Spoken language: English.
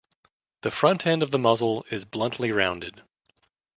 The front end of the muzzle is bluntly rounded.